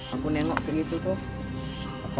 aku nengok kayak gitu tuh